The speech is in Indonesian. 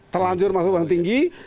terlanjur masuk ke bangunan tinggi